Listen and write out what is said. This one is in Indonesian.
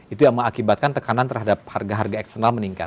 itu yang mengakibatkan tekanan terhadap harga harga eksternal meningkat